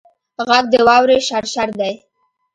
غږ د واورې شرشر دی